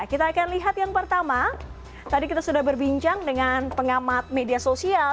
kita akan lihat yang pertama tadi kita sudah berbincang dengan pengamat media sosial